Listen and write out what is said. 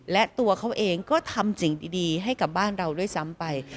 และตัวเขาเองก็ทำสิ่งดีให้กับบ้านเราด้วยซ้ำไป